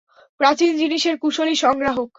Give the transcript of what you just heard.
প্রাচীন জিনিসের কুশলী সংগ্রাহক।